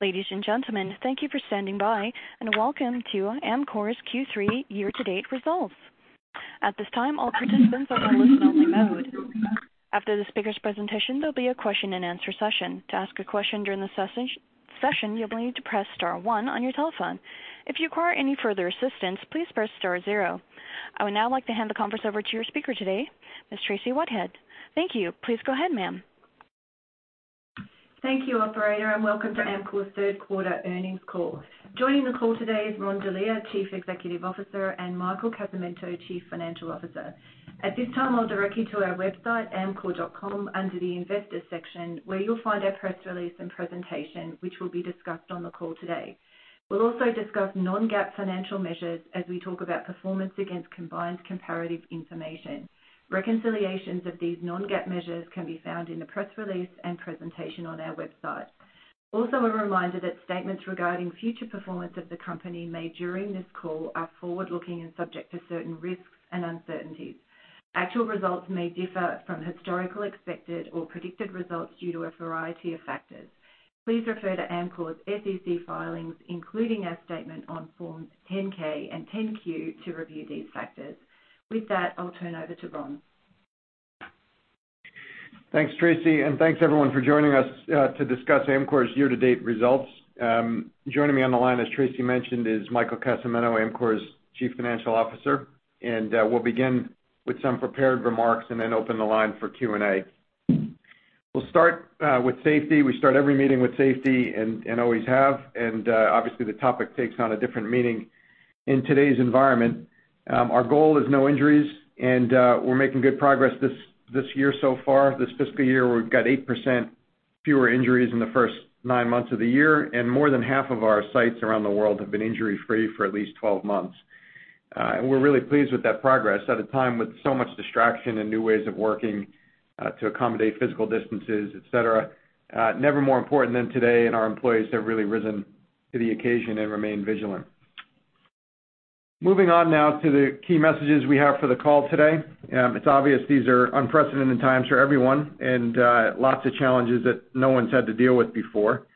Ladies and gentlemen, thank you for standing by and welcome to Amcor's Q3 year-to-date results. At this time, all participants are in listen-only mode. After the speaker's presentation, there'll be a question-and-answer session. To ask a question during the session, you'll need to press star one on your telephone. If you require any further assistance, please press star zero. I would now like to hand the conference over to your speaker today, Ms. Tracey Whitehead. Thank you. Please go ahead, ma'am. Thank you, operator, and welcome to Amcor's third quarter earnings call. Joining the call today is Ron Delia, Chief Executive Officer, and Michael Casamento, Chief Financial Officer. At this time, I'll direct you to our website, amcor.com, under the Investors section, where you'll find our press release and presentation, which will be discussed on the call today. We'll also discuss non-GAAP financial measures as we talk about performance against combined comparative information. Reconciliations of these non-GAAP measures can be found in the press release and presentation on our website. Also, a reminder that statements regarding future performance of the company made during this call are forward-looking and subject to certain risks and uncertainties. Actual results may differ from historical, expected, or predicted results due to a variety of factors. Please refer to Amcor's SEC filings, including our statement on Forms 10-K and 10-Q, to review these factors. With that, I'll turn over to Ron. Thanks, Tracey, and thanks everyone for joining us to discuss Amcor's year-to-date results. Joining me on the line, as Tracey mentioned, is Michael Casamento, Amcor's Chief Financial Officer, and we'll begin with some prepared remarks and then open the line for Q&A. We'll start with safety. We start every meeting with safety and always have, and obviously, the topic takes on a different meaning in today's environment. Our goal is no injuries, and we're making good progress this year so far. This fiscal year, we've got 8% fewer injuries in the first nine months of the year, and more than half of our sites around the world have been injury-free for at least twelve months. And we're really pleased with that progress at a time with so much distraction and new ways of working, to accommodate physical distances, et cetera. Never more important than today, and our employees have really risen to the occasion and remained vigilant. Moving on now to the key messages we have for the call today. It's obvious these are unprecedented times for everyone and, lots of challenges that no one's had to deal with before.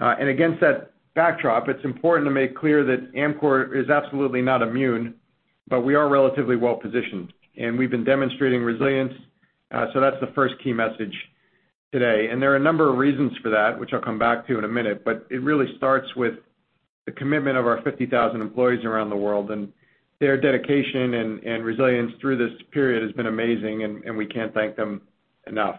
And against that backdrop, it's important to make clear that Amcor is absolutely not immune, but we are relatively well-positioned, and we've been demonstrating resilience, so that's the first key message today. And there are a number of reasons for that, which I'll come back to in a minute, but it really starts with the commitment of our 50,000 employees around the world, and their dedication and resilience through this period has been amazing, and we can't thank them enough.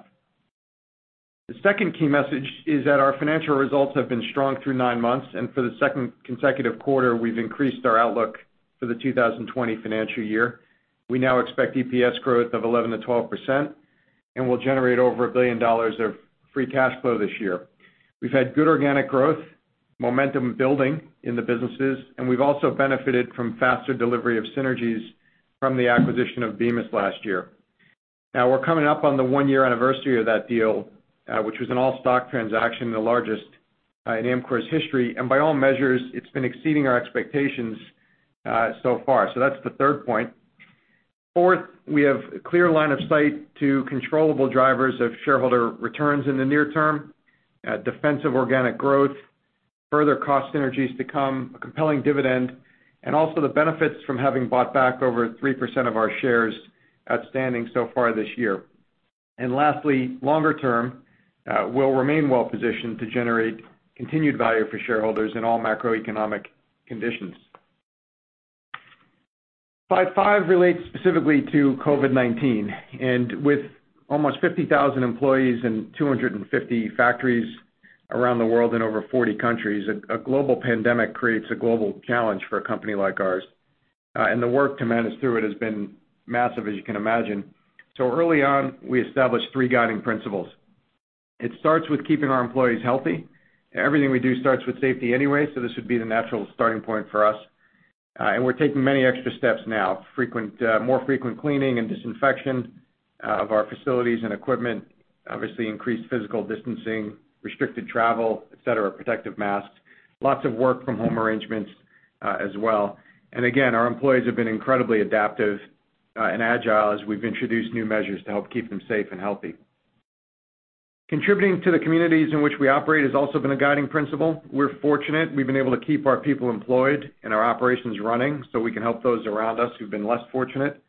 The second key message is that our financial results have been strong through nine months, and for the second consecutive quarter, we've increased our outlook for the 2020 financial year. We now expect EPS growth of 11%-12%, and we'll generate over $1 billion of free cash flow this year. We've had good organic growth, momentum building in the businesses, and we've also benefited from faster delivery of synergies from the acquisition of Bemis last year. Now, we're coming up on the one-year anniversary of that deal, which was an all-stock transaction, the largest in Amcor's history, and by all measures, it's been exceeding our expectations so far. So that's the third point. Fourth, we have a clear line of sight to controllable drivers of shareholder returns in the near term, defensive organic growth, further cost synergies to come, a compelling dividend, and also the benefits from having bought back over 3% of our shares outstanding so far this year. And lastly, longer term, we'll remain well positioned to generate continued value for shareholders in all macroeconomic conditions. Slide five relates specifically to COVID-19, and with almost 50,000 employees and 250 factories around the world in over 40 countries, a global pandemic creates a global challenge for a company like ours, and the work to manage through it has been massive, as you can imagine. So early on, we established three guiding principles. It starts with keeping our employees healthy. Everything we do starts with safety anyway, so this would be the natural starting point for us. And we're taking many extra steps now. More frequent cleaning and disinfection of our facilities and equipment, obviously increased physical distancing, restricted travel, et cetera, protective masks, lots of work from home arrangements, as well. And again, our employees have been incredibly adaptive and agile as we've introduced new measures to help keep them safe and healthy. Contributing to the communities in which we operate has also been a guiding principle. We're fortunate, we've been able to keep our people employed and our operations running, so we can help those around us who've been less fortunate.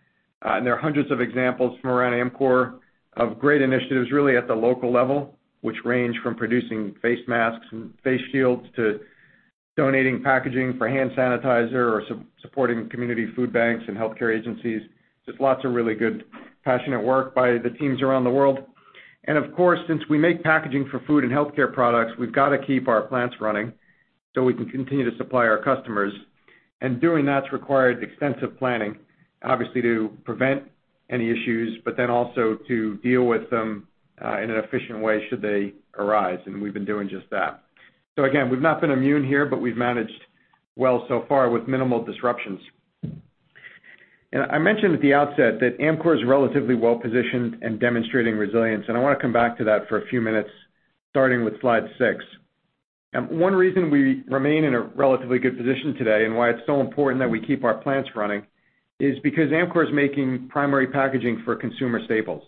And there are hundreds of examples from around Amcor of great initiatives, really at the local level, which range from producing face masks and face shields to donating packaging for hand sanitizer or supporting community food banks and healthcare agencies. Just lots of really good, passionate work by the teams around the world. And of course, since we make packaging for food and healthcare products, we've got to keep our plants running, so we can continue to supply our customers. Doing that has required extensive planning, obviously, to prevent any issues, but then also to deal with them in an efficient way, should they arise, and we've been doing just that. Again, we've not been immune here, but we've managed well so far with minimal disruptions. I mentioned at the outset that Amcor is relatively well-positioned and demonstrating resilience, and I wanna come back to that for a few minutes, starting with slide six. One reason we remain in a relatively good position today and why it's so important that we keep our plants running is because Amcor is making primary packaging for consumer staples...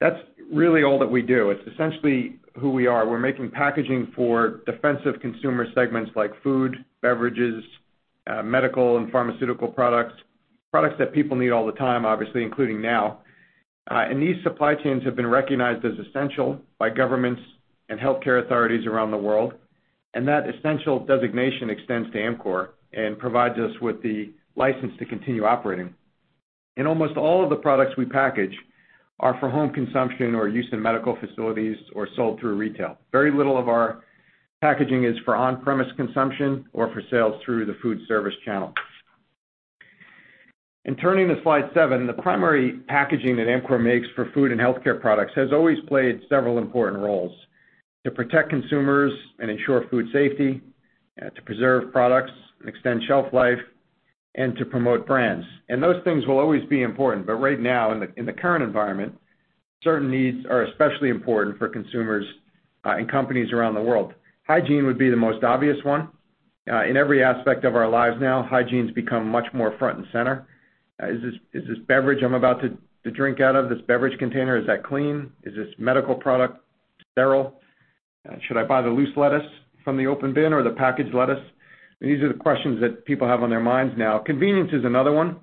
That's really all that we do. It's essentially who we are. We're making packaging for defensive consumer segments like food, beverages, medical and pharmaceutical products, products that people need all the time, obviously, including now. and these supply chains have been recognized as essential by governments and healthcare authorities around the world, and that essential designation extends to Amcor and provides us with the license to continue operating. And almost all of the products we package are for home consumption or use in medical facilities or sold through retail. Very little of our packaging is for on-premise consumption or for sales through the food service channel. And turning to slide seven, the primary packaging that Amcor makes for food and healthcare products has always played several important roles: to protect consumers and ensure food safety, to preserve products and extend shelf life, and to promote brands. And those things will always be important, but right now, in the current environment, certain needs are especially important for consumers, and companies around the world. Hygiene would be the most obvious one. In every aspect of our lives now, hygiene's become much more front and center. Is this beverage I'm about to drink out of, this beverage container, is that clean? Is this medical product sterile? Should I buy the loose lettuce from the open bin or the packaged lettuce? These are the questions that people have on their minds now. Convenience is another one.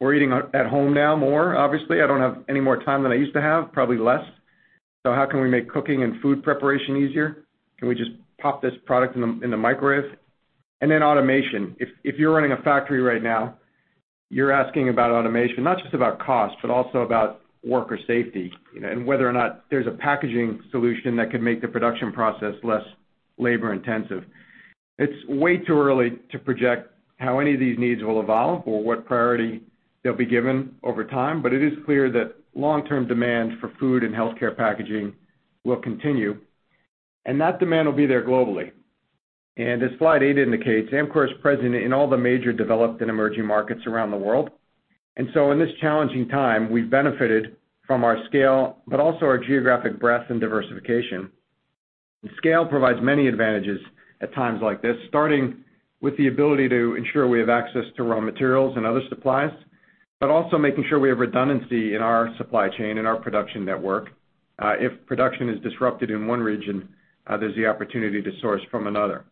We're eating at home now more, obviously. I don't have any more time than I used to have, probably less. So how can we make cooking and food preparation easier? Can we just pop this product in the microwave? And then automation. If you're running a factory right now, you're asking about automation, not just about cost, but also about worker safety, you know, and whether or not there's a packaging solution that can make the production process less labor-intensive. It's way too early to project how any of these needs will evolve or what priority they'll be given over time, but it is clear that long-term demand for food and healthcare packaging will continue, and that demand will be there globally. And as slide eight indicates, Amcor is present in all the major developed and emerging markets around the world. And so in this challenging time, we've benefited from our scale, but also our geographic breadth and diversification. Scale provides many advantages at times like this, starting with the ability to ensure we have access to raw materials and other supplies, but also making sure we have redundancy in our supply chain and our production network. If production is disrupted in one region, there's the opportunity to source from another.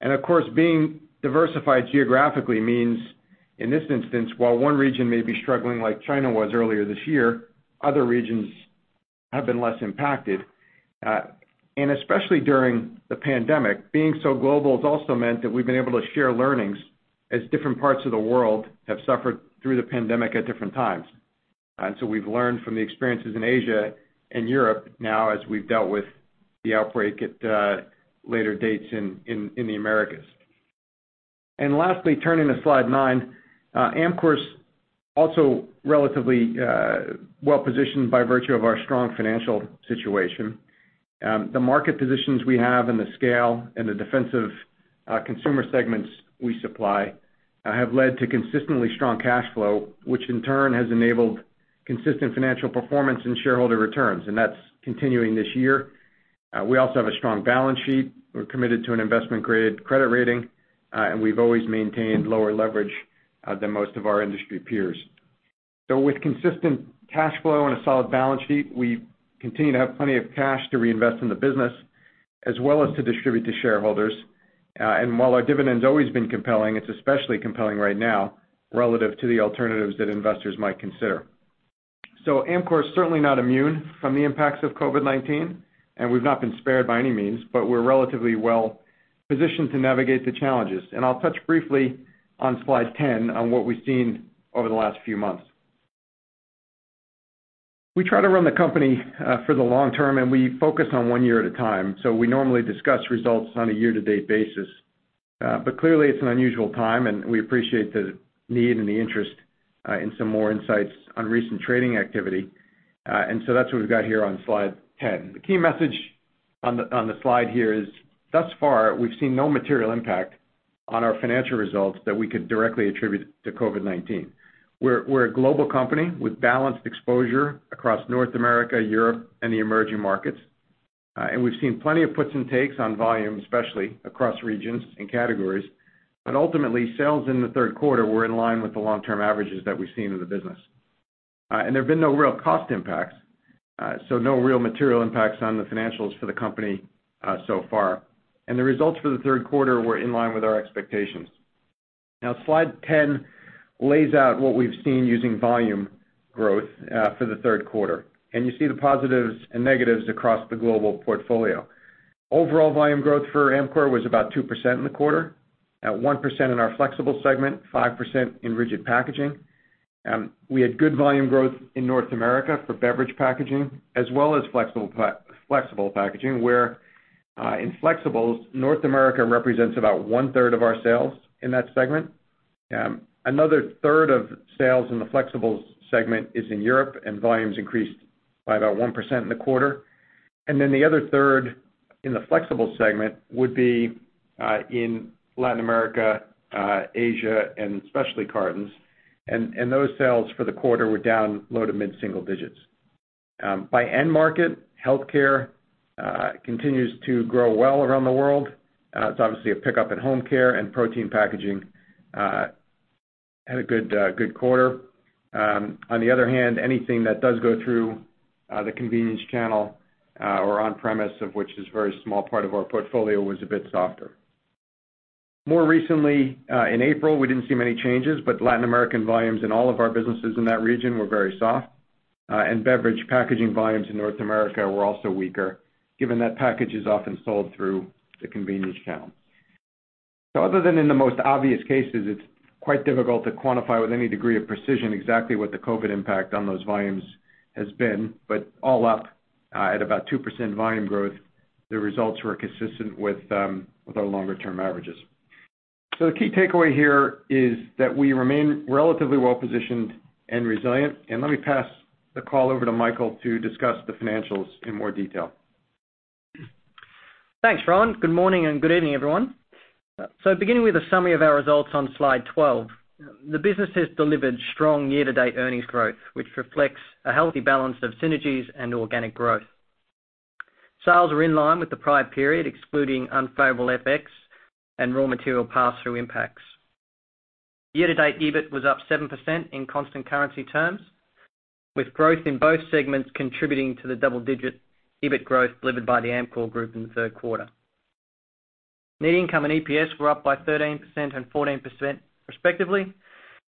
Of course, being diversified geographically means, in this instance, while one region may be struggling like China was earlier this year, other regions have been less impacted. Especially during the pandemic, being so global has also meant that we've been able to share learnings as different parts of the world have suffered through the pandemic at different times. So we've learned from the experiences in Asia and Europe now as we've dealt with the outbreak at later dates in the Americas. And lastly, turning to slide nine, Amcor's also relatively well-positioned by virtue of our strong financial situation. The market positions we have and the scale and the defensive consumer segments we supply, have led to consistently strong cash flow, which in turn has enabled consistent financial performance and shareholder returns, and that's continuing this year. We also have a strong balance sheet. We're committed to an investment-grade credit rating, and we've always maintained lower leverage than most of our industry peers. So with consistent cash flow and a solid balance sheet, we continue to have plenty of cash to reinvest in the business, as well as to distribute to shareholders. And while our dividend's always been compelling, it's especially compelling right now relative to the alternatives that investors might consider. So Amcor is certainly not immune from the impacts of COVID-19, and we've not been spared by any means, but we're relatively well-positioned to navigate the challenges. And I'll touch briefly on slide ten on what we've seen over the last few months. We try to run the company for the long term, and we focus on one year at a time, so we normally discuss results on a year-to-date basis. But clearly, it's an unusual time, and we appreciate the need and the interest in some more insights on recent trading activity. And so that's what we've got here on slide ten. The key message on the slide here is, thus far, we've seen no material impact on our financial results that we could directly attribute to COVID-19. We're a global company with balanced exposure across North America, Europe, and the emerging markets. And we've seen plenty of puts and takes on volume, especially across regions and categories, but ultimately, sales in the third quarter were in line with the long-term averages that we've seen in the business. And there have been no real cost impacts, so no real material impacts on the financials for the company, so far. And the results for the third quarter were in line with our expectations. Now, slide 10 lays out what we've seen using volume growth, for the third quarter, and you see the positives and negatives across the global portfolio. Overall volume growth for Amcor was about 2% in the quarter, at 1% in our flexible segment, 5% in rigid packaging. We had good volume growth in North America for beverage packaging, as well as flexible packaging, where in flexibles, North America represents about one-third of our sales in that segment. Another third of sales in the flexibles segment is in Europe, and volumes increased by about 1% in the quarter, and then the other third in the flexible segment would be in Latin America, Asia, and Specialty Cartons, and those sales for the quarter were down low to mid-single digits. By end market, healthcare continues to grow well around the world. It's obviously a pickup in home care and protein packaging had a good quarter. On the other hand, anything that does go through the convenience channel or on premise, of which is a very small part of our portfolio, was a bit softer. More recently, in April, we didn't see many changes, but Latin American volumes in all of our businesses in that region were very soft, and beverage packaging volumes in North America were also weaker, given that package is often sold through the convenience channel. Other than in the most obvious cases, it's quite difficult to quantify with any degree of precision exactly what the COVID impact on those volumes has been, but all up, at about 2% volume growth, the results were consistent with our longer term averages. The key takeaway here is that we remain relatively well positioned and resilient. Let me pass the call over to Michael to discuss the financials in more detail. Thanks, Ron. Good morning, and good evening, everyone. So beginning with a summary of our results on Slide 12, the business has delivered strong year-to-date earnings growth, which reflects a healthy balance of synergies and organic growth. Sales are in line with the prior period, excluding unfavorable FX and raw material pass-through impacts. Year-to-date, EBIT was up 7% in constant currency terms, with growth in both segments contributing to the double-digit EBIT growth delivered by the Amcor group in the third quarter. Net income and EPS were up by 13% and 14% respectively,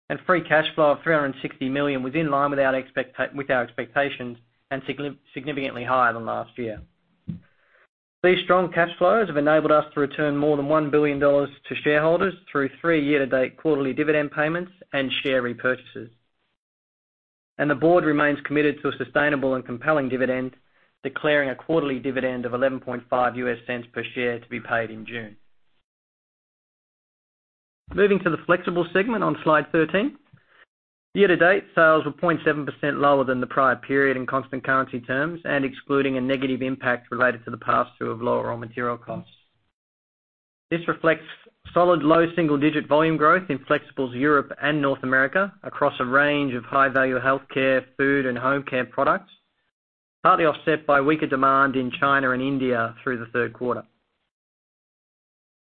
and free cash flow of $360 million was in line with our expectations and significantly higher than last year. These strong cash flows have enabled us to return more than $1 billion to shareholders through three year-to-date quarterly dividend payments and share repurchases. The board remains committed to a sustainable and compelling dividend, declaring a quarterly dividend of $0.115 per share to be paid in June. Moving to the Flexibles segment on Slide 13. Year to date, sales were 0.7% lower than the prior period in constant currency terms and excluding a negative impact related to the pass-through of lower raw material costs. This reflects solid, low single-digit volume growth in Flexibles Europe and North America across a range of high-value healthcare, food, and home care products, partly offset by weaker demand in China and India through the third quarter.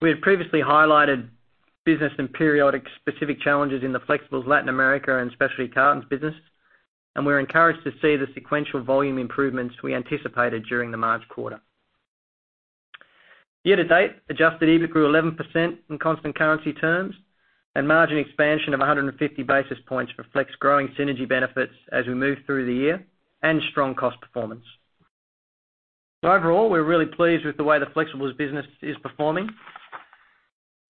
We had previously highlighted business and periodic specific challenges in the Flexibles Latin America and Specialty Cartons business, and we're encouraged to see the sequential volume improvements we anticipated during the March quarter. Year to date, adjusted EBIT grew 11% in constant currency terms, and margin expansion of 150 basis points reflects growing synergy benefits as we move through the year and strong cost performance. So overall, we're really pleased with the way the Flexibles business is performing,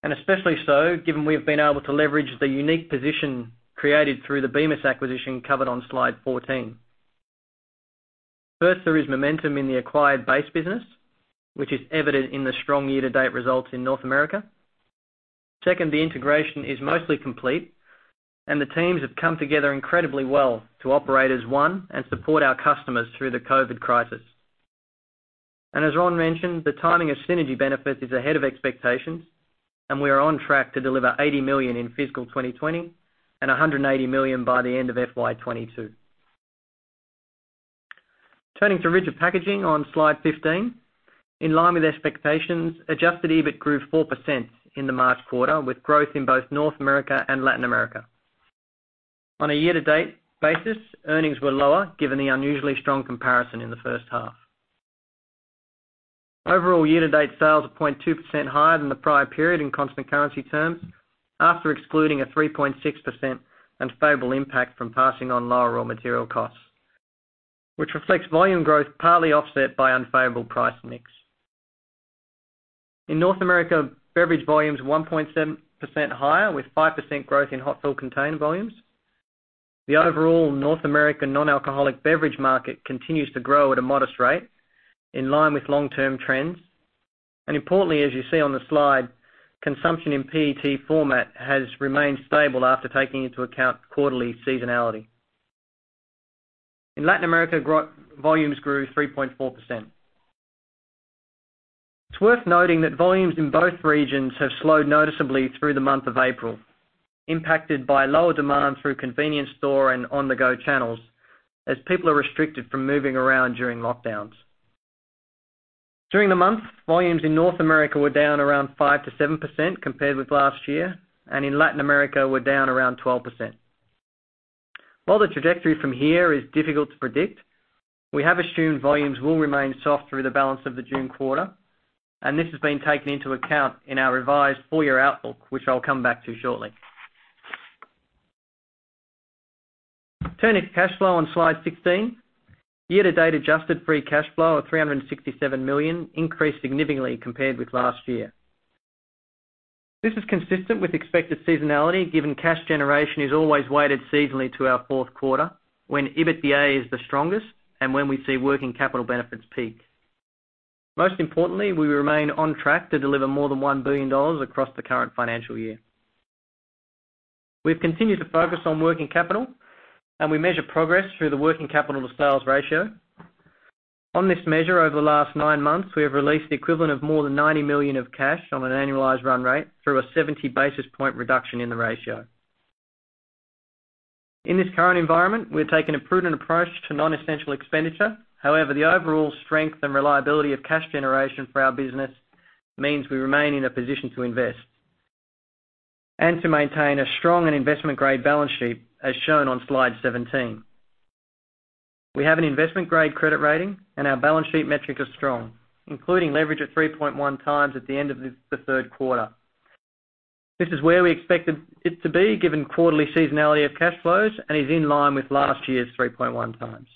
and especially so, given we've been able to leverage the unique position created through the Bemis acquisition, covered on Slide 14. First, there is momentum in the acquired base business, which is evident in the strong year-to-date results in North America. Second, the integration is mostly complete, and the teams have come together incredibly well to operate as one and support our customers through the COVID crisis. And as Ron mentioned, the timing of synergy benefits is ahead of expectations, and we are on track to deliver $80 million in fiscal 2020 and $180 million by the end of FY 2022. Turning to Rigid Packaging on Slide 15. In line with expectations, adjusted EBIT grew 4% in the March quarter, with growth in both North America and Latin America. On a year-to-date basis, earnings were lower, given the unusually strong comparison in the first half. Overall, year-to-date sales are 0.2% higher than the prior period in constant currency terms, after excluding a 3.6% unfavorable impact from passing on lower raw material costs, which reflects volume growth partly offset by unfavorable price mix. In North America, beverage volume is 1.7% higher, with 5% growth in hot fill container volumes. The overall North American non-alcoholic beverage market continues to grow at a modest rate, in line with long-term trends, and importantly, as you see on the slide, consumption in PET format has remained stable after taking into account quarterly seasonality. In Latin America, growth volumes grew 3.4%. It's worth noting that volumes in both regions have slowed noticeably through the month of April, impacted by lower demand through convenience store and on-the-go channels, as people are restricted from moving around during lockdowns. During the month, volumes in North America were down around 5%-7% compared with last year, and in Latin America, were down around 12%. While the trajectory from here is difficult to predict, we have assumed volumes will remain soft through the balance of the June quarter, and this has been taken into account in our revised full year outlook, which I'll come back to shortly. Turning to cash flow on Slide 16. Year to date, adjusted free cash flow of $367 million increased significantly compared with last year. This is consistent with expected seasonality, given cash generation is always weighted seasonally to our fourth quarter, when EBITDA is the strongest and when we see working capital benefits peak. Most importantly, we remain on track to deliver more than $1 billion across the current financial year. We've continued to focus on working capital, and we measure progress through the working capital to sales ratio. On this measure, over the last nine months, we have released the equivalent of more than $90 million of cash on an annualized run rate through a 70 basis point reduction in the ratio. In this current environment, we've taken a prudent approach to non-essential expenditure. However, the overall strength and reliability of cash generation for our business means we remain in a position to invest and to maintain a strong and investment-grade balance sheet, as shown on Slide 17. We have an investment-grade credit rating, and our balance sheet metrics are strong, including leverage of 3.1 times at the end of the third quarter. This is where we expected it to be, given quarterly seasonality of cash flows, and is in line with last year's 3.1 times.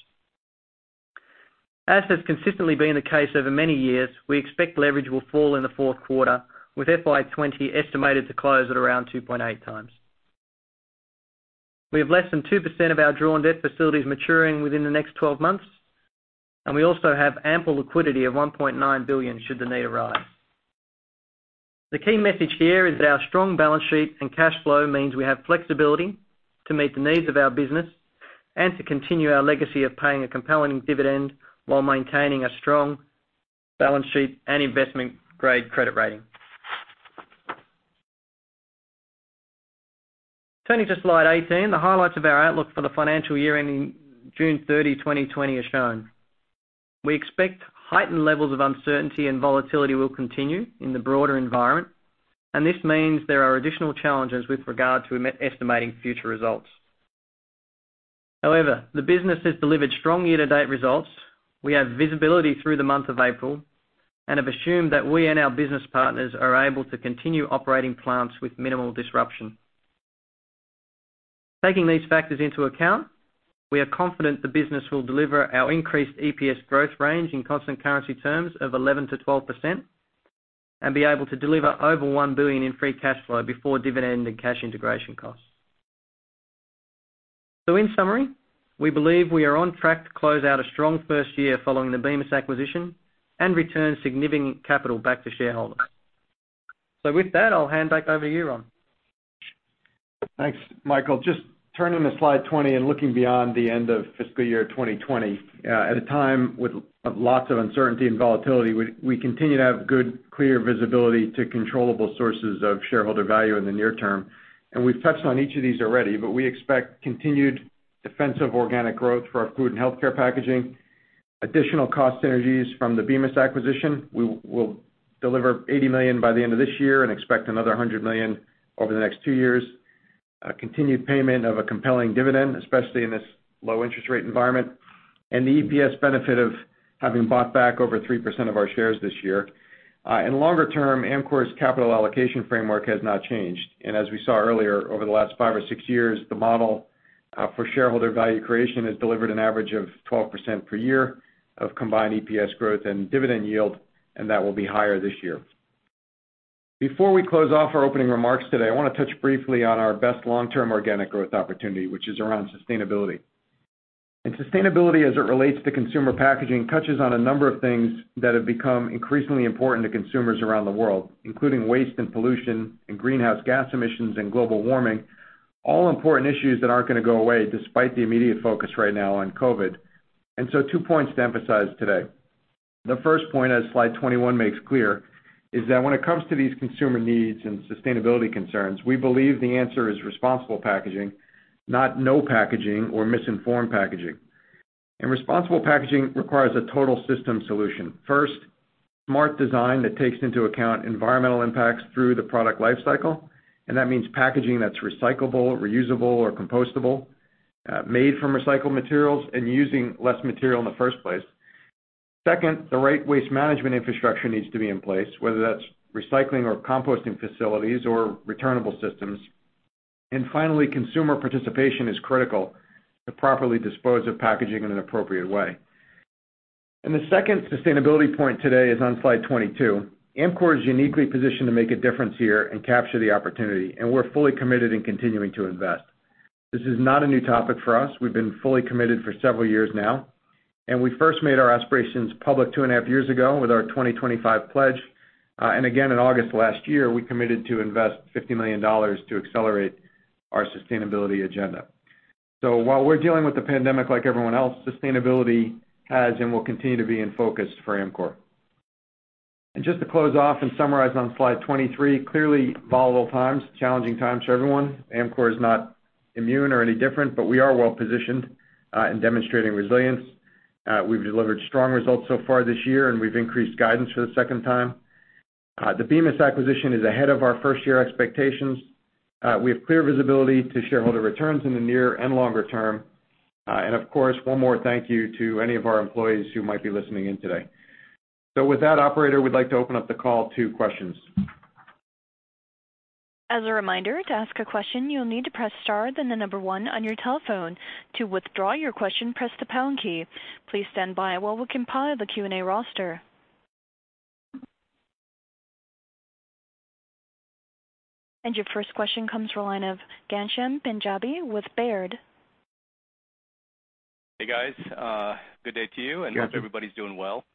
As has consistently been the case over many years, we expect leverage will fall in the fourth quarter, with FY 20 estimated to close at around 2.8 times. We have less than 2% of our drawn debt facilities maturing within the next 12 months, and we also have ample liquidity of $1.9 billion, should the need arise. The key message here is that our strong balance sheet and cash flow means we have flexibility to meet the needs of our business and to continue our legacy of paying a compelling dividend while maintaining a strong balance sheet and investment-grade credit rating. Turning to slide 18, the highlights of our outlook for the financial year ending June 30, 2020, are shown. We expect heightened levels of uncertainty and volatility will continue in the broader environment, and this means there are additional challenges with regard to estimating future results. However, the business has delivered strong year-to-date results. We have visibility through the month of April and have assumed that we and our business partners are able to continue operating plants with minimal disruption. Taking these factors into account, we are confident the business will deliver our increased EPS growth range in constant currency terms of 11%-12% and be able to deliver over $1 billion in free cash flow before dividend and cash integration costs. So in summary, we believe we are on track to close out a strong first year following the Bemis acquisition and return significant capital back to shareholders. So with that, I'll hand back over to you, Ron. Thanks, Michael. Just turning to Slide 20 and looking beyond the end of fiscal year 2020, at a time with lots of uncertainty and volatility, we continue to have good, clear visibility to controllable sources of shareholder value in the near term. And we've touched on each of these already, but we expect continued defensive organic growth for our food and healthcare packaging, additional cost synergies from the Bemis acquisition. We will deliver $80 million by the end of this year and expect another $100 million over the next two years. Continued payment of a compelling dividend, especially in this low interest rate environment, and the EPS benefit of having bought back over 3% of our shares this year. And longer term, Amcor's capital allocation framework has not changed, and as we saw earlier, over the last five or six years, the model for shareholder value creation has delivered an average of 12% per year of combined EPS growth and dividend yield, and that will be higher this year. Before we close off our opening remarks today, I want to touch briefly on our best long-term organic growth opportunity, which is around sustainability. And sustainability, as it relates to consumer packaging, touches on a number of things that have become increasingly important to consumers around the world, including waste and pollution and greenhouse gas emissions and global warming. All important issues that aren't going to go away, despite the immediate focus right now on COVID. And so two points to emphasize today. The first point, as slide twenty-one makes clear, is that when it comes to these consumer needs and sustainability concerns, we believe the answer is responsible packaging, not no packaging or misinformed packaging. And responsible packaging requires a total system solution. First, smart design that takes into account environmental impacts through the product life cycle, and that means packaging that's recyclable, reusable or compostable, made from recycled materials and using less material in the first place. Second, the right waste management infrastructure needs to be in place, whether that's recycling or composting facilities or returnable systems. And finally, consumer participation is critical to properly dispose of packaging in an appropriate way. And the second sustainability point today is on slide twenty-two. Amcor is uniquely positioned to make a difference here and capture the opportunity, and we're fully committed in continuing to invest. This is not a new topic for us. We've been fully committed for several years now, and we first made our aspirations public two and a half years ago with our 2025 pledge. And again, in August last year, we committed to invest $50 million to accelerate our sustainability agenda. So while we're dealing with the pandemic like everyone else, sustainability has and will continue to be in focus for Amcor. And just to close off and summarize on Slide 23, clearly volatile times, challenging times for everyone. Amcor is not immune or any different, but we are well positioned in demonstrating resilience. We've delivered strong results so far this year, and we've increased guidance for the second time. The Bemis acquisition is ahead of our first-year expectations. We have clear visibility to shareholder returns in the near and longer term. And of course, one more thank you to any of our employees who might be listening in today. So with that, operator, we'd like to open up the call to questions. As a reminder, to ask a question, you'll need to press star then the number one on your telephone. To withdraw your question, press the pound key. Please stand by while we compile the Q&A roster. And your first question comes from the line of Ghansham Panjabi with Baird. Hey, guys, good day to you- Hope everybody's doing well.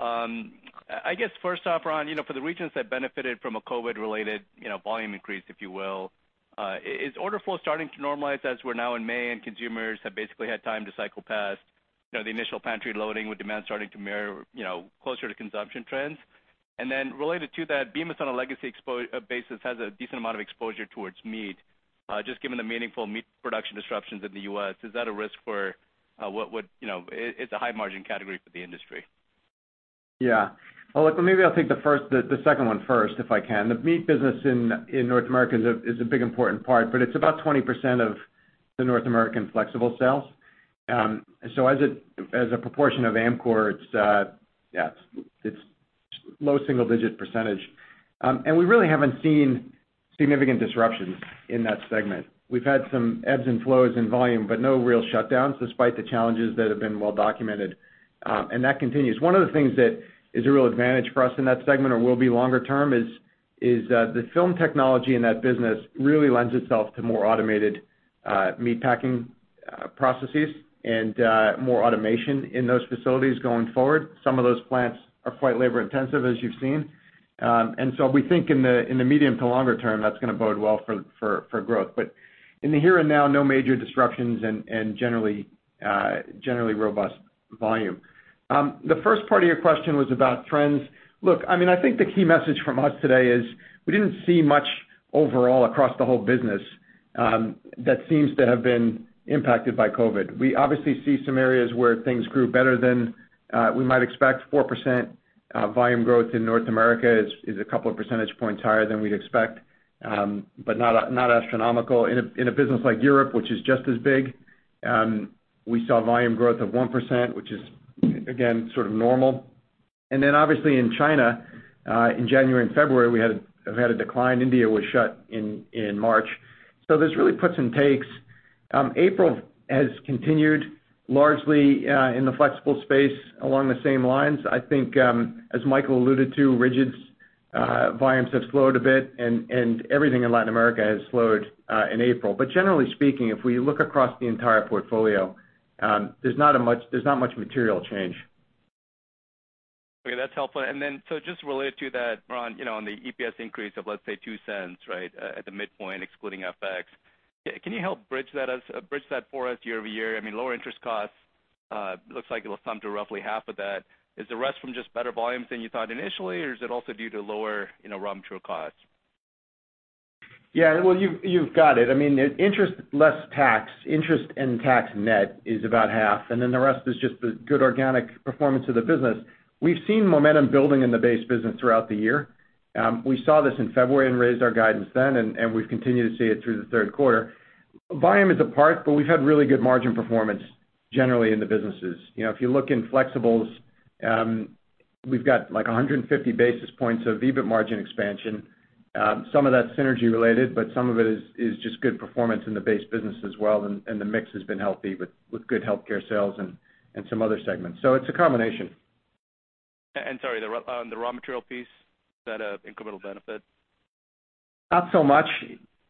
I guess first off, Ron, you know, for the regions that benefited from a COVID-related, you know, volume increase, if you will, is order flow starting to normalize as we're now in May and consumers have basically had time to cycle past the initial pantry loading, with demand starting to mirror, you know, closer to consumption trends? And then related to that, Bemis, on a legacy Bemis basis, has a decent amount of exposure towards meat. Just given the meaningful meat production disruptions in the U.S., is that a risk for, what would, you know, it, it's a high margin category for the industry? Yeah. Well, look, maybe I'll take the first, the second one first, if I can. The meat business in North America is a big important part, but it's about 20% of the North American flexible sales. So as a proportion of Amcor, it's low single-digit %. And we really haven't seen significant disruptions in that segment. We've had some ebbs and flows in volume, but no real shutdowns, despite the challenges that have been well documented, and that continues. One of the things that is a real advantage for us in that segment or will be longer term is the film technology in that business really lends itself to more automated meat packing processes and more automation in those facilities going forward. Some of those plants are quite labor intensive, as you've seen, and so we think in the medium to longer term, that's gonna bode well for growth, but in the here and now, no major disruptions and generally robust volume. The first part of your question was about trends. Look, I mean, I think the key message from us today is we didn't see much overall across the whole business that seems to have been impacted by COVID. We obviously see some areas where things grew better than we might expect. 4% volume growth in North America is a couple of percentage points higher than we'd expect, but not astronomical. In a business like Europe, which is just as big, we saw volume growth of 1%, which is again, sort of normal. And then obviously in China, in January and February, we have had a decline. India was shut in March. So there's really puts and takes. April has continued largely in the flexible space along the same lines. I think, as Michael alluded to, rigids volumes have slowed a bit, and everything in Latin America has slowed in April. But generally speaking, if we look across the entire portfolio, there's not much material change. Okay, that's helpful and then, so just related to that, Ron, you know, on the EPS increase of, let's say, $0.02, right? At the midpoint, excluding FX. Can you help bridge that for us year over year? I mean, lower interest costs looks like it'll come to roughly half of that. Is the rest from just better volumes than you thought initially, or is it also due to lower, you know, raw material costs? Yeah, well, you've, you've got it. I mean, interest less tax, interest and tax net is about half, and then the rest is just the good organic performance of the business. We've seen momentum building in the base business throughout the year. We saw this in February and raised our guidance then, and we've continued to see it through the third quarter. Volume is a part, but we've had really good margin performance generally in the businesses. You know, if you look in flexibles, we've got like 150 basis points of EBIT margin expansion. Some of that's synergy related, but some of it is just good performance in the base business as well. And the mix has been healthy with good healthcare sales and some other segments. So it's a combination. Sorry, the raw material piece, is that an incremental benefit? Not so much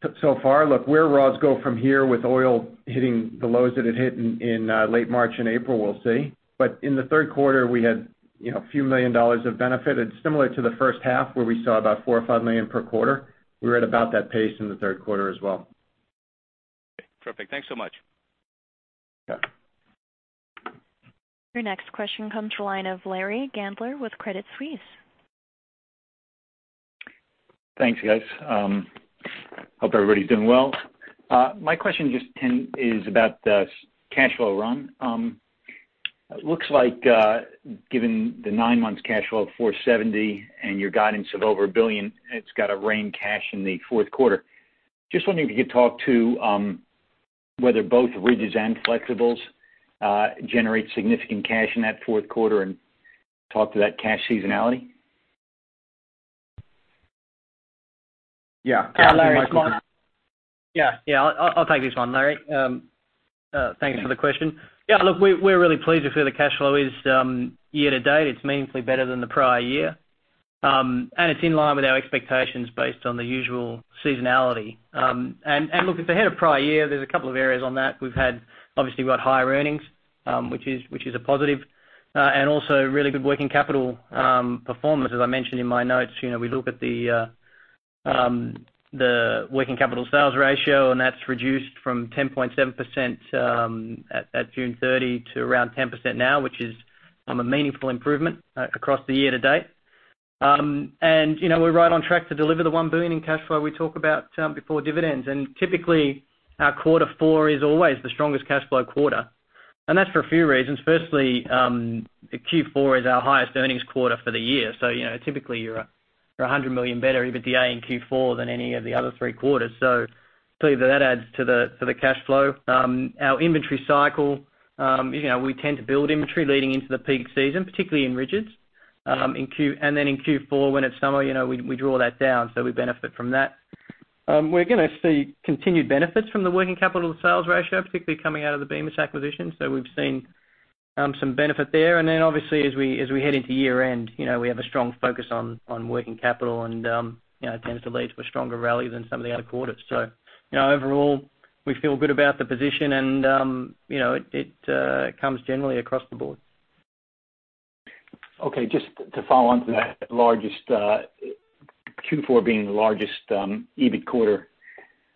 so, so far. Look, where raws go from here, with oil hitting the lows that it hit in late March and April, we'll see. But in the third quarter, we had, you know, a few million dollars of benefit, and similar to the first half, where we saw about four or five million per quarter, we're at about that pace in the third quarter as well. Perfect. Thanks so much. Yeah. Your next question comes from the line of Larry Gandler with Credit Suisse. Thanks, guys. Hope everybody's doing well. My question just is about the cash flow run. It looks like, given the nine months cash flow of $470 and your guidance of over $1 billion, it's got to rain cash in the fourth quarter. Just wondering if you could talk to whether both rigids and flexibles generate significant cash in that fourth quarter and talk to that cash seasonality? Yeah. Yeah, Larry, it's Mike. Yeah, yeah, I'll take this one, Larry. Thanks for the question. Yeah, look, we're really pleased with where the cash flow is. Year to date, it's meaningfully better than the prior year. And it's in line with our expectations based on the usual seasonality. And look, if ahead of prior year, there's a couple of areas on that. We've had, obviously, we've got higher earnings, which is a positive, and also really good working capital performance. As I mentioned in my notes, you know, we look at the working capital sales ratio, and that's reduced from 10.7% at June thirty to around 10% now, which is a meaningful improvement across the year to date. And, you know, we're right on track to deliver the $1 billion in cash flow we talked about, before dividends. And typically, our quarter four is always the strongest cash flow quarter, and that's for a few reasons. Firstly, Q4 is our highest earnings quarter for the year. So, you know, typically, you're a hundred million better EBITDA in Q4 than any of the other three quarters. So clearly, that adds to the cash flow. Our inventory cycle, you know, we tend to build inventory leading into the peak season, particularly in rigids. In Q- and then in Q4, when it's summer, you know, we draw that down, so we benefit from that. We're gonna see continued benefits from the working capital sales ratio, particularly coming out of the Bemis acquisition. So we've seen some benefit there. And then obviously, as we head into year-end, you know, we have a strong focus on working capital, and you know, it tends to lead to a stronger rally than some of the other quarters. So, you know, overall, we feel good about the position, and you know, it comes generally across the board.... Okay, just to follow on to that, largest Q4 being the largest EBIT quarter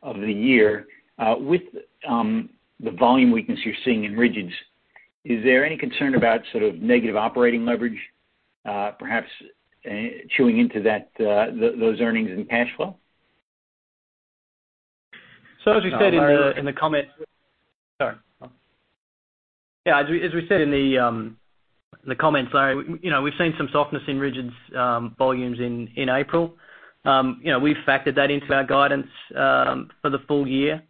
of the year. With the volume weakness you're seeing in rigids, is there any concern about sort of negative operating leverage, perhaps chewing into that, those earnings and cash flow? As we said in the comments, Larry, you know, we've seen some softness in rigids volumes in April. You know, we've factored that into our guidance for the full year.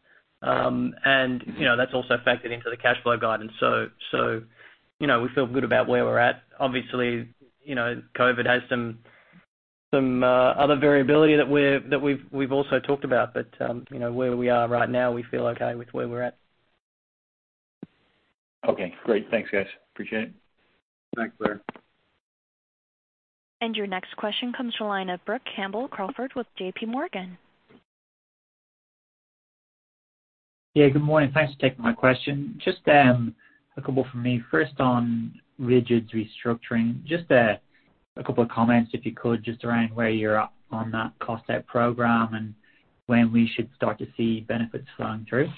And you know, that's also factored into the cash flow guidance. So you know, we feel good about where we're at. Obviously, you know, COVID has some other variability that we've also talked about. But you know, where we are right now, we feel okay with where we're at. Okay, great. Thanks, guys. Appreciate it. Thanks, Larry. Your next question comes from the line of Brook Campbell-Crawford with J.P. Morgan. Yeah, good morning. Thanks for taking my question. Just a couple from me. First, on rigids restructuring, just a couple of comments, if you could, just around where you're at on that cost out program and when we should start to see benefits flowing through.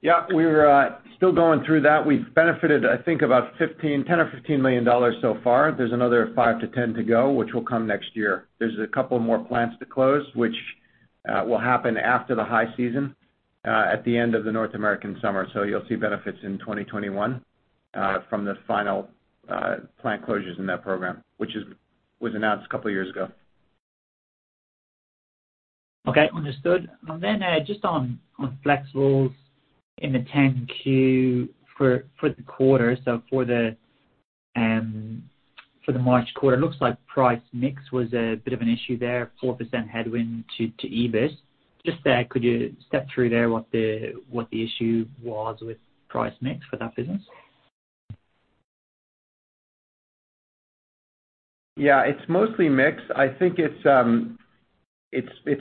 Yeah, we're still going through that. We've benefited, I think, about $10-$15 million so far. There's another $5-$10 to go, which will come next year. There's a couple more plants to close, which will happen after the high season at the end of the North American summer. So you'll see benefits in 2021 from the final plant closures in that program, which was announced a couple of years ago. Okay, understood. And then, just on flexibles in the 10-Q for the quarter, so for the March quarter, it looks like price mix was a bit of an issue there, 4% headwind to EBIT. Just, could you step through there what the issue was with price mix for that business? Yeah, it's mostly mix. I think it's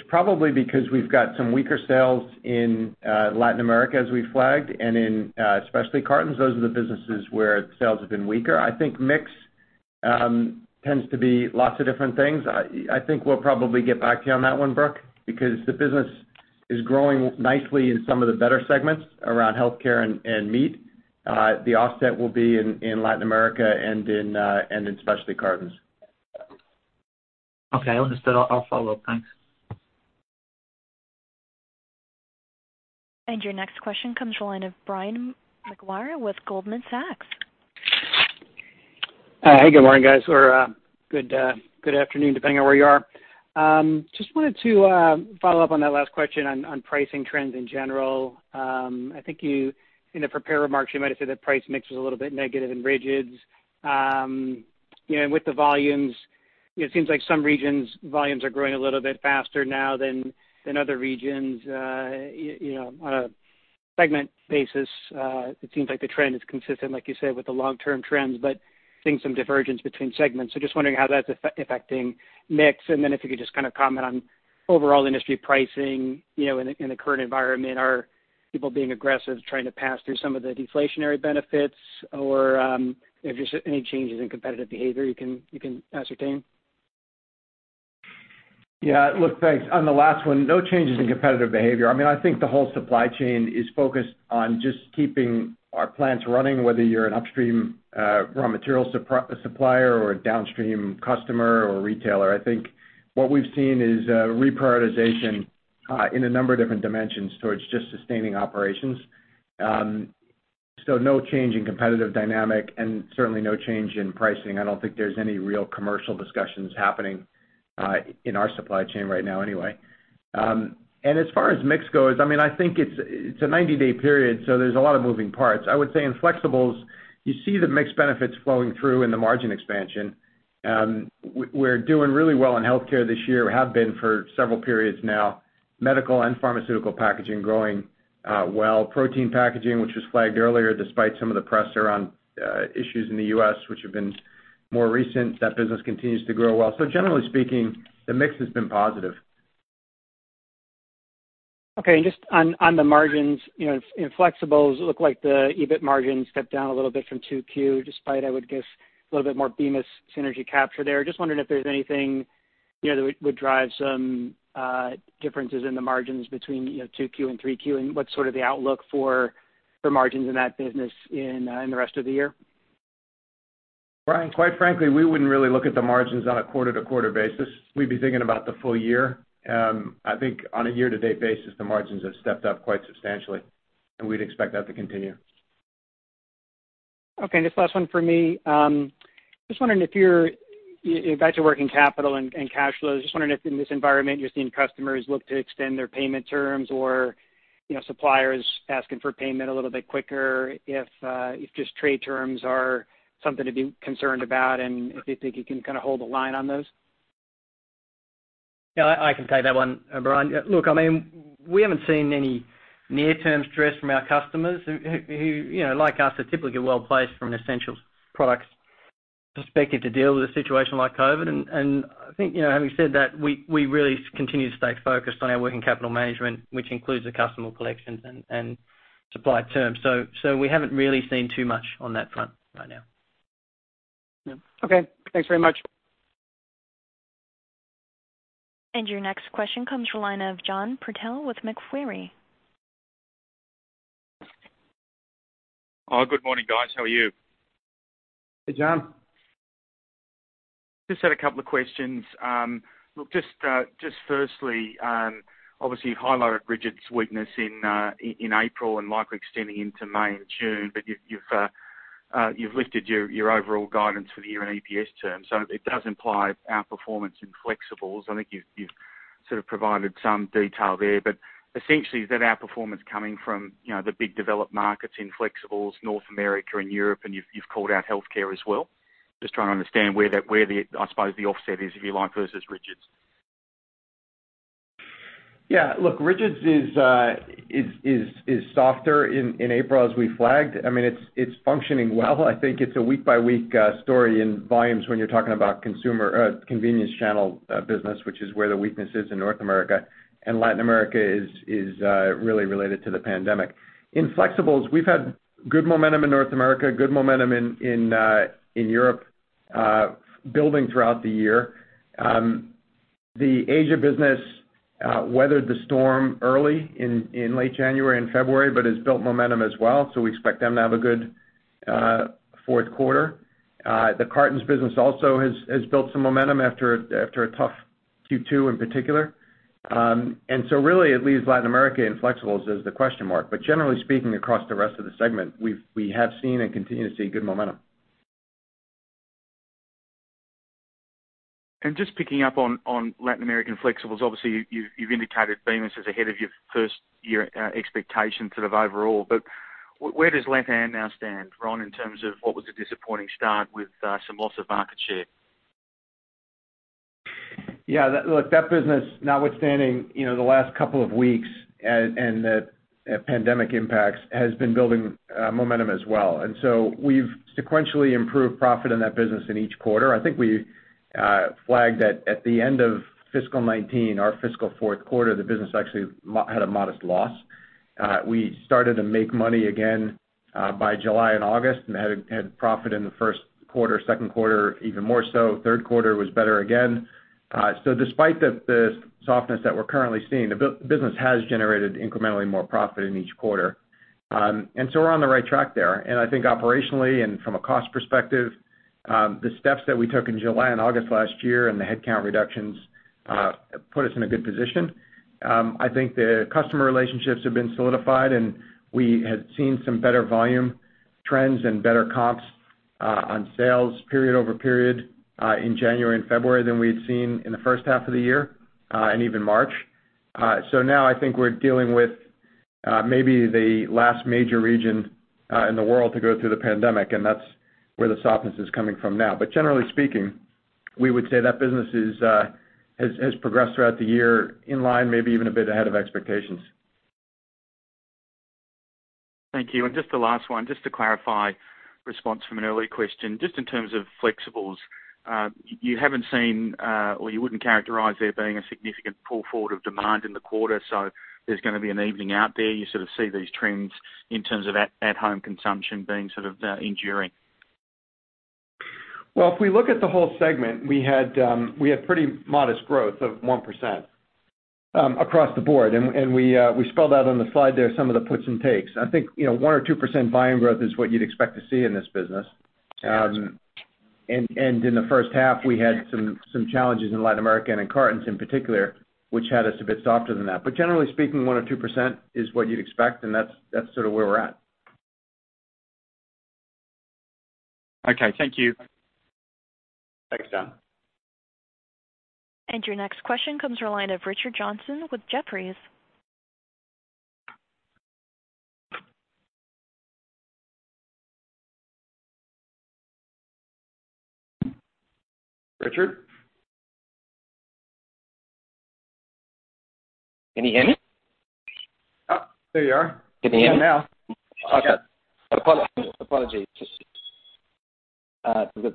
probably because we've got some weaker sales in Latin America, as we flagged, and in Specialty Cartons. Those are the businesses where sales have been weaker. I think mix tends to be lots of different things. I think we'll probably get back to you on that one, Brooke, because the business is growing nicely in some of the better segments around healthcare and meat. The offset will be in Latin America and in specialty cartons. Okay, understood. I'll follow up. Thanks. Your next question comes from the line of Brian Maguire with Goldman Sachs. Hey, good morning, guys, or good afternoon, depending on where you are. Just wanted to follow up on that last question on pricing trends in general. I think you, in the prepared remarks, you might have said that price mix was a little bit negative in rigids. You know, and with the volumes, it seems like some regions, volumes are growing a little bit faster now than other regions. You know, on a segment basis, it seems like the trend is consistent, like you said, with the long-term trends, but seeing some divergence between segments. So just wondering how that's affecting mix. And then if you could just kind of comment on overall industry pricing, you know, in the current environment. Are people being aggressive, trying to pass through some of the deflationary benefits? Or, if there's any changes in competitive behavior you can ascertain? Yeah. Look, thanks. On the last one, no changes in competitive behavior. I mean, I think the whole supply chain is focused on just keeping our plants running, whether you're an upstream, raw material supplier or a downstream customer or retailer. I think what we've seen is, reprioritization, in a number of different dimensions towards just sustaining operations. So no change in competitive dynamic and certainly no change in pricing. I don't think there's any real commercial discussions happening, in our supply chain right now anyway. And as far as mix goes, I mean, I think it's, it's a ninety-day period, so there's a lot of moving parts. I would say in flexibles, you see the mix benefits flowing through in the margin expansion. We're doing really well in healthcare this year, have been for several periods now. Medical and pharmaceutical packaging growing well. Protein packaging, which was flagged earlier, despite some of the press around issues in the U.S., which have been more recent, that business continues to grow well. So generally speaking, the mix has been positive. Okay. And just on the margins, you know, in flexibles, it looked like the EBIT margins stepped down a little bit from 2Q, despite, I would guess, a little bit more Bemis synergy capture there. Just wondering if there's anything, you know, that would drive some differences in the margins between, you know, 2Q and 3Q, and what's sort of the outlook for margins in that business in the rest of the year? Brian, quite frankly, we wouldn't really look at the margins on a quarter-to-quarter basis. We'd be thinking about the full year. I think on a year-to-date basis, the margins have stepped up quite substantially, and we'd expect that to continue. Okay, and this last one for me. Just wondering if you're back to working capital and cash flows, just wondering if in this environment, you're seeing customers look to extend their payment terms or, you know, suppliers asking for payment a little bit quicker, if just trade terms are something to be concerned about, and if you think you can kind of hold the line on those? Yeah, I can take that one, Brian. Look, I mean, we haven't seen any near-term stress from our customers who, you know, like us, are typically well-placed from an essentials product standpoint... perspective to deal with a situation like COVID. And I think, you know, having said that, we really continue to stay focused on our working capital management, which includes the customer collections and supply terms. So we haven't really seen too much on that front right now. Yeah. Okay, thanks very much. Your next question comes from the line of John Purtell with Macquarie. Hi, good morning, guys. How are you? Hey, John. Just had a couple of questions. Look, just firstly, obviously, you highlighted rigid's weakness in April and mix extending into May and June, but you've lifted your overall guidance for the year in EPS terms. So it does imply outperformance in flexibles. I think you've sort of provided some detail there, but essentially, is that outperformance coming from, you know, the big developed markets in flexibles, North America and Europe, and you've called out healthcare as well? Just trying to understand where that, where the, I suppose, the offset is, if you like, versus rigids. Yeah, look, rigids is softer in April as we flagged. I mean, it's functioning well. I think it's a week-by-week story in volumes when you're talking about consumer convenience channel business, which is where the weakness is in North America, and Latin America is really related to the pandemic. In flexibles, we've had good momentum in North America, good momentum in Europe, building throughout the year. The Asia business weathered the storm early in late January and February, but has built momentum as well, so we expect them to have a good fourth quarter. The cartons business also has built some momentum after a tough Q2 in particular. And so really it leaves Latin America and flexibles as the question mark. But generally speaking, across the rest of the segment, we have seen and continue to see good momentum. Just picking up on Latin American flexibles, obviously, you've indicated Bemis is ahead of your first year expectations, sort of overall, but where does Lat Am now stand, Ron, in terms of what was a disappointing start with some loss of market share? Yeah, that-- look, that business, notwithstanding, you know, the last couple of weeks and the pandemic impacts, has been building momentum as well. And so we've sequentially improved profit in that business in each quarter. I think we flagged that at the end of fiscal 2019, our fiscal fourth quarter, the business actually had a modest loss. We started to make money again by July and August and had profit in the first quarter, second quarter, even more so. Third quarter was better again. So despite the softness that we're currently seeing, the business has generated incrementally more profit in each quarter. And so we're on the right track there. And I think operationally and from a cost perspective, the steps that we took in July and August last year, and the headcount reductions, put us in a good position. I think the customer relationships have been solidified, and we had seen some better volume trends and better comps, on sales period over period, in January and February than we'd seen in the first half of the year, and even March. So now I think we're dealing with, maybe the last major region, in the world to go through the pandemic, and that's where the softness is coming from now. But generally speaking, we would say that business is, has progressed throughout the year in line, maybe even a bit ahead of expectations. Thank you. And just the last one, just to clarify response from an earlier question. Just in terms of flexibles, you haven't seen, or you wouldn't characterize there being a significant pull forward of demand in the quarter, so there's gonna be an evening out there. You sort of see these trends in terms of at-home consumption being sort of, enduring? If we look at the whole segment, we had pretty modest growth of 1%, across the board. We spelled out on the slide there some of the puts and takes. I think, you know, 1% or 2% volume growth is what you'd expect to see in this business. In the first half, we had some challenges in Latin America and in cartons in particular, which had us a bit softer than that. But generally speaking, 1% or 2% is what you'd expect, and that's sort of where we're at. Okay, thank you. Thanks, John. Your next question comes from a line of Richard Johnson with Jefferies. Richard? Can you hear me? Oh, there you are. Can you hear me? Yeah, now. Okay. Apologies, apologies. We've got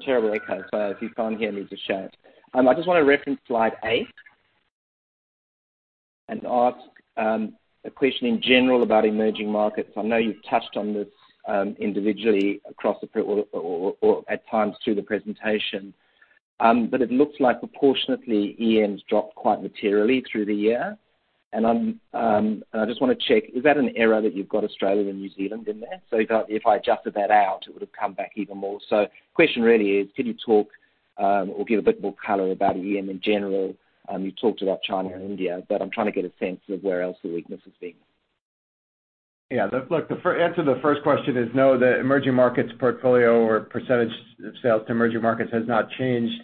terrible echo, so if you can't hear me, just shout. I just want to reference Slide 8, and ask a question in general about emerging markets. I know you've touched on this individually across the board or at times through the presentation. But it looks like proportionately, EMs dropped quite materially through the year. And I'm and I just wanna check, is that an error that you've got Australia and New Zealand in there? So if I adjusted that out, it would have come back even more. So the question really is, can you talk or give a bit more color about EM in general? You've talked about China and India, but I'm trying to get a sense of where else the weakness has been. Yeah, look, the first answer to the first question is no, the emerging markets portfolio or percentage of sales to emerging markets has not changed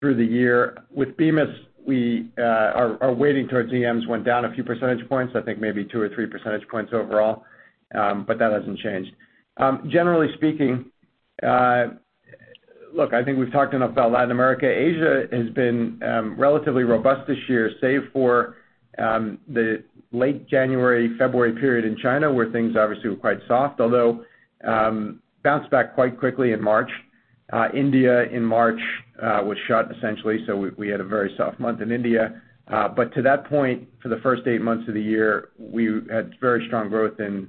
through the year. With Bemis, our weighting towards EMs went down a few percentage points, I think maybe two or three percentage points overall, but that hasn't changed. Generally speaking, look, I think we've talked enough about Latin America. Asia has been relatively robust this year, save for the late January, February period in China, where things obviously were quite soft, although bounced back quite quickly in March. India, in March, was shut essentially, so we had a very soft month in India. But to that point, for the first eight months of the year, we had very strong growth in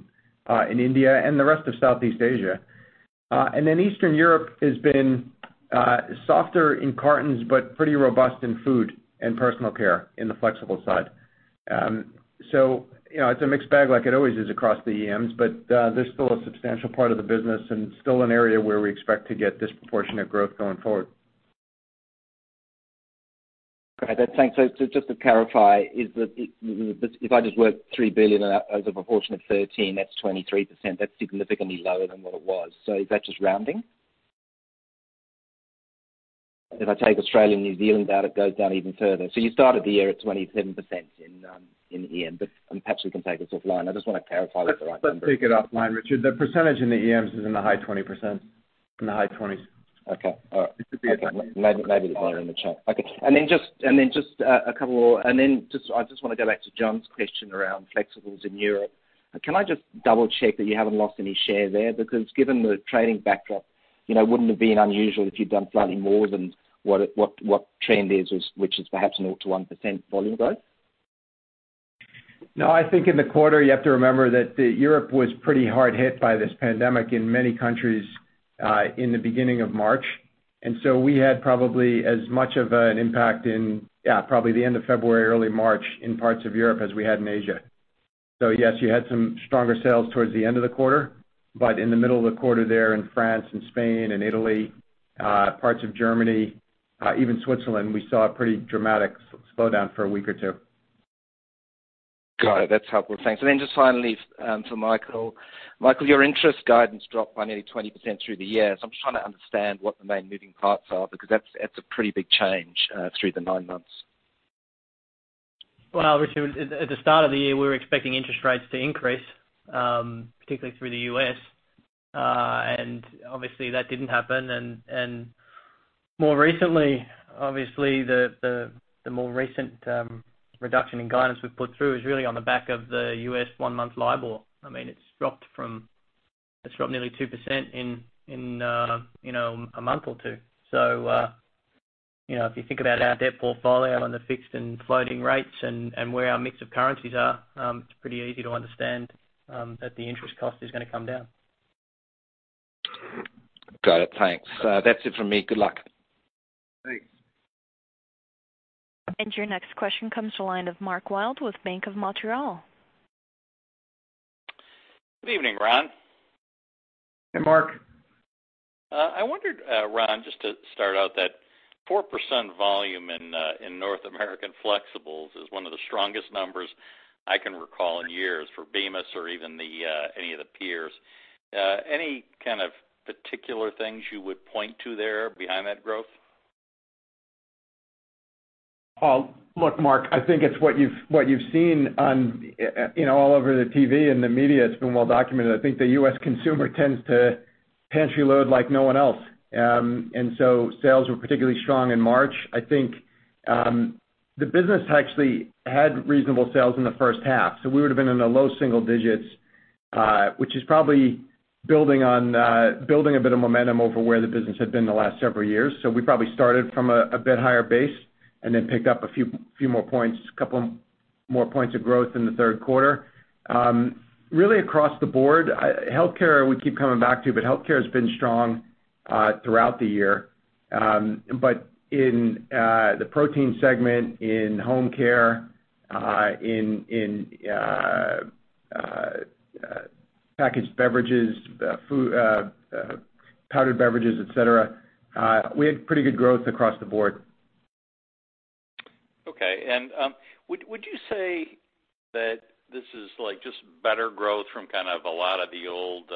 India and the rest of Southeast Asia. And then Eastern Europe has been softer in cartons, but pretty robust in food and personal care, in the flexible side. So you know, it's a mixed bag like it always is across the EMs, but there's still a substantial part of the business and still an area where we expect to get disproportionate growth going forward. Got it. Thanks. So just to clarify, is that if I just work $3 billion as a proportion of $13 billion, that's 23%. That's significantly lower than what it was. So is that just rounding? If I take Australia and New Zealand out, it goes down even further. So you started the year at 27% in EM, but. And perhaps we can take this offline. I just wanna clarify with the right number. Let's take it offline, Richard. The percentage in the EMs is in the high 20%, in the high 20s. Okay. All right. It should be. Maybe, maybe it's lower in the chart. Okay. And then just, I just wanna go back to John's question around flexibles in Europe. Can I just double check that you haven't lost any share there? Because given the trading backdrop, you know, wouldn't have been unusual if you'd done slightly more than what the trend is, which is perhaps nought to 1% volume growth. No, I think in the quarter, you have to remember that the Europe was pretty hard hit by this pandemic in many countries in the beginning of March. And so we had probably as much of an impact in, yeah, probably the end of February, early March, in parts of Europe, as we had in Asia. So yes, you had some stronger sales towards the end of the quarter, but in the middle of the quarter there, in France and Spain and Italy, parts of Germany, even Switzerland, we saw a pretty dramatic slowdown for a week or two. Got it. That's helpful. Thanks. And then just finally to Michael. Michael, your interest guidance dropped by nearly 20% through the year. So I'm just trying to understand what the main moving parts are, because that's a pretty big change through the nine months. Richard, at the start of the year, we were expecting interest rates to increase, particularly through the U.S., and obviously, that didn't happen. And more recently, obviously, the more recent reduction in guidance we've put through is really on the back of the U.S. one-month LIBOR. I mean, it's dropped from. It's dropped nearly 2% in you know a month or two. So you know, if you think about our debt portfolio and the fixed and floating rates and where our mix of currencies are, it's pretty easy to understand that the interest cost is gonna come down. Got it. Thanks. That's it from me. Good luck. Thanks. Your next question comes to the line of Mark Wilde with Bank of Montreal. Good evening, Ron. Hey, Mark. I wondered, Ron, just to start out, that 4% volume in North American Flexibles is one of the strongest numbers I can recall in years for Bemis or even than any of the peers. Any kind of particular things you would point to there behind that growth? Oh, look, Mark, I think it's what you've seen on, you know, all over the TV and the media. It's been well documented. I think the U.S. consumer tends to pantry loading like no one else. So sales were particularly strong in March. I think the business actually had reasonable sales in the first half, so we would have been in the low single digits, which is probably building on a bit of momentum over where the business had been the last several years. So we probably started from a bit higher base and then picked up a few more points, a couple more points of growth in the third quarter. Really across the board, healthcare, we keep coming back to, but healthcare has been strong throughout the year. But in the protein segment, in home care, in packaged beverages, food, powdered beverages, et cetera, we had pretty good growth across the board. Okay. And would you say that this is like just better growth from kind of a lot of the old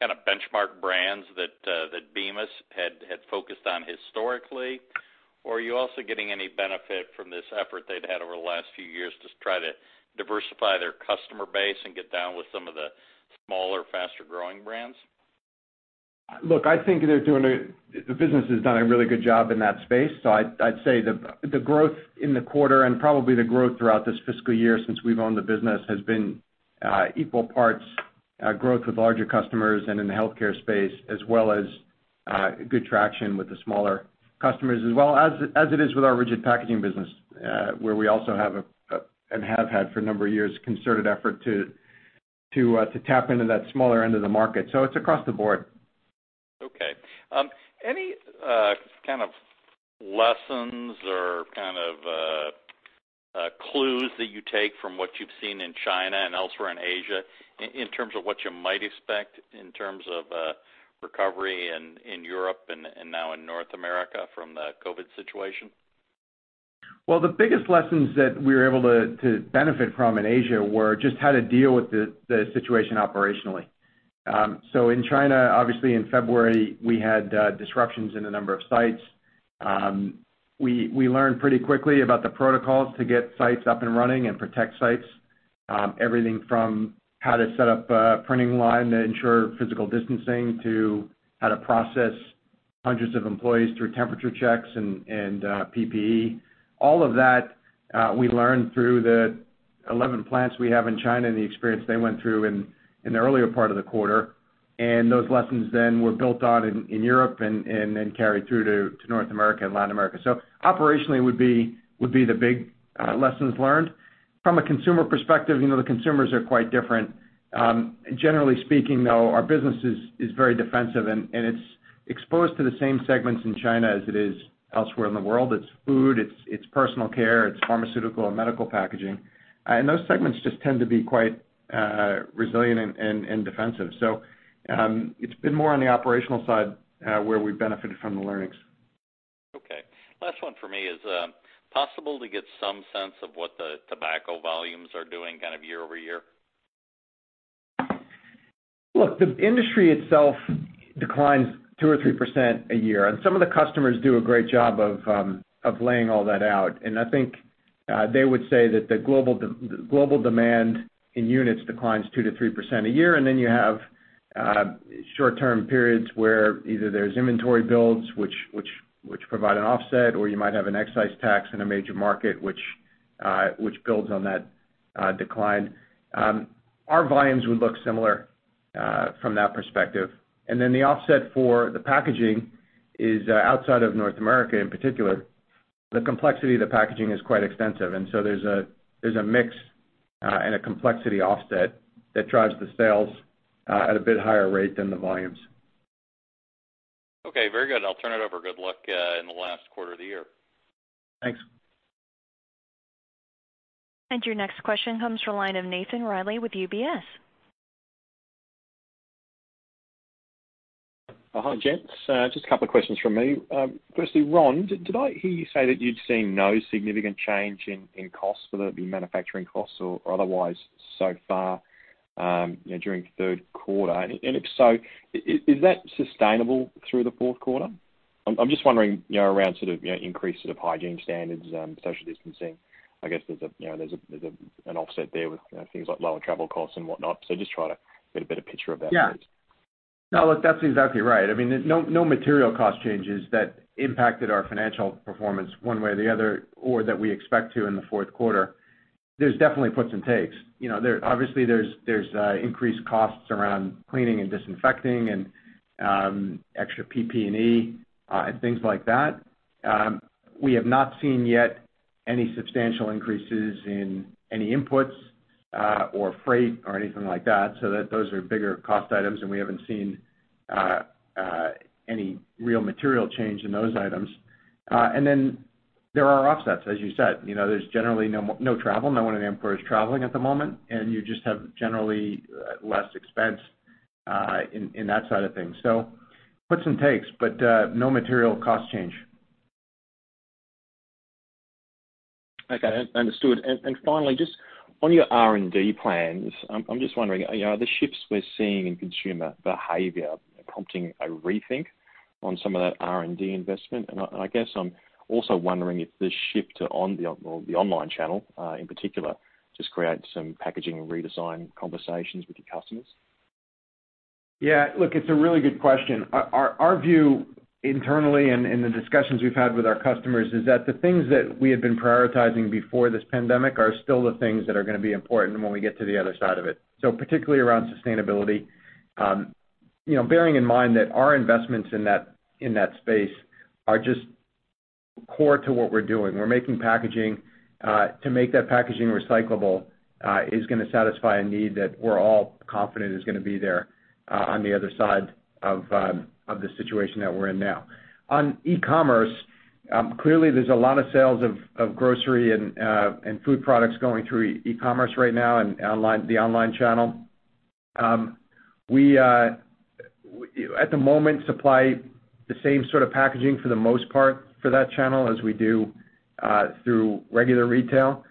kind of benchmark brands that that Bemis had focused on historically? Or are you also getting any benefit from this effort they'd had over the last few years to try to diversify their customer base and get down with some of the smaller, faster-growing brands? Look, I think the business has done a really good job in that space. So I'd say the growth in the quarter and probably the growth throughout this fiscal year since we've owned the business has been equal parts growth with larger customers and in the healthcare space, as well as good traction with the smaller customers. As well as it is with our rigid packaging business, where we also have and have had for a number of years concerted effort to tap into that smaller end of the market. So it's across the board. Okay. Any kind of lessons or kind of clues that you take from what you've seen in China and elsewhere in Asia, in terms of what you might expect in terms of recovery in Europe and now in North America from the COVID situation? The biggest lessons that we were able to benefit from in Asia were just how to deal with the situation operationally. In China, obviously in February, we had disruptions in a number of sites. We learned pretty quickly about the protocols to get sites up and running and protect sites. Everything from how to set up a printing line to ensure physical distancing, to how to process hundreds of employees through temperature checks and PPE. All of that we learned through the eleven plants we have in China, and the experience they went through in the earlier part of the quarter, and those lessons then were built on in Europe and then carried through to North America and Latin America. Operationally would be the big lessons learned. From a consumer perspective, you know, the consumers are quite different. Generally speaking, though, our business is very defensive, and it's exposed to the same segments in China as it is elsewhere in the world. It's food, it's personal care, it's pharmaceutical and medical packaging. And those segments just tend to be quite resilient and defensive. So, it's been more on the operational side where we've benefited from the learnings. Okay. Last one for me is, possible to get some sense of what the tobacco volumes are doing kind of year over year? Look, the industry itself declines 2% or 3% a year, and some of the customers do a great job of laying all that out. And I think they would say that the global demand in units declines 2%-3% a year, and then you have short-term periods where either there's inventory builds, which provide an offset, or you might have an excise tax in a major market which builds on that decline. Our volumes would look similar from that perspective. And then the offset for the packaging is outside of North America, in particular, the complexity of the packaging is quite extensive, and so there's a mix and a complexity offset that drives the sales at a bit higher rate than the volumes. Okay, very good. I'll turn it over. Good luck in the last quarter of the year. Thanks. Your next question comes from the line of Nathan Reilly with UBS. Hi, gents. Just a couple of questions from me. Firstly, Ron, did I hear you say that you'd seen no significant change in costs, whether it be manufacturing costs or otherwise, so far, you know, during the third quarter? And if so, is that sustainable through the fourth quarter? I'm just wondering, you know, around sort of, you know, increased sort of hygiene standards, social distancing. I guess there's an offset there with, you know, things like lower travel costs and whatnot. So just try to get a better picture of that, please. Yeah. No, look, that's exactly right. I mean, there's no material cost changes that impacted our financial performance one way or the other, or that we expect to in the fourth quarter. There's definitely puts and takes. You know, there obviously there's increased costs around cleaning and disinfecting and extra PPE and things like that. We have not seen yet any substantial increases in any inputs or freight or anything like that, so that those are bigger cost items, and we haven't seen any real material change in those items. And then there are offsets, as you said. You know, there's generally no travel. No one at Amcor is traveling at the moment, and you just have generally less expense in that side of things. So puts and takes, but no material cost change. Okay, understood. And finally, just on your R&D plans, I'm just wondering, you know, are the shifts we're seeing in consumer behavior prompting a rethink on some of that R&D investment? And I guess I'm also wondering if the shift to the online channel, in particular, just creates some packaging redesign conversations with your customers. Yeah. Look, it's a really good question. Our view internally and in the discussions we've had with our customers is that the things that we had been prioritizing before this pandemic are still the things that are gonna be important when we get to the other side of it, so particularly around sustainability. You know, bearing in mind that our investments in that space are just core to what we're doing. We're making packaging to make that packaging recyclable is gonna satisfy a need that we're all confident is gonna be there on the other side of the situation that we're in now. On e-commerce, clearly there's a lot of sales of grocery and food products going through e-commerce right now and online, the online channel. At the moment, we supply the same sort of packaging for the most part, for that channel as we do through regular retail.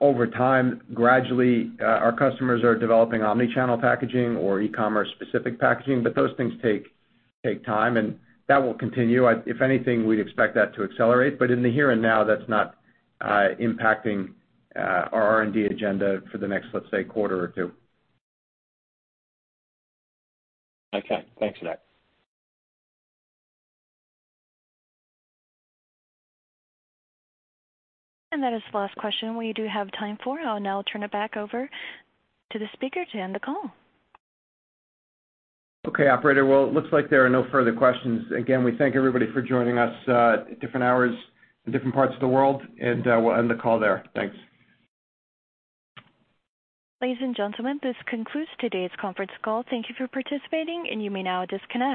Over time, gradually, our customers are developing omni-channel packaging or e-commerce specific packaging, but those things take time, and that will continue. If anything, we'd expect that to accelerate, but in the here and now, that's not impacting our R&D agenda for the next, let's say, quarter or two. Okay. Thanks for that. That is the last question we do have time for. I'll now turn it back over to the speaker to end the call. Okay, operator. Well, it looks like there are no further questions. Again, we thank everybody for joining us, different hours in different parts of the world, and we'll end the call there. Thanks. Ladies and gentlemen, this concludes today's conference call. Thank you for participating, and you may now disconnect.